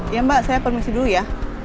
ya mbak saya permisi dulu ya